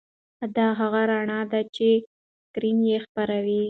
دا هغه رڼا ده چې سکرین یې خپروي.